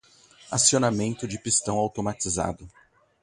Acionamento de pistão automatizado